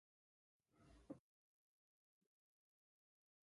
Què li va retreure al seu marit?